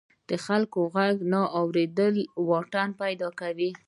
د خلکو غږ نه اوریدل واټن پیدا کوي.